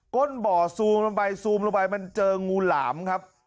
้นบ่อซูมลงไปซูมลงไปมันเจองูหลามครับ